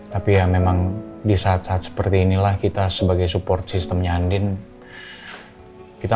tapi ya memang di saat saat seperti inilah kita sebagai support systemnya andin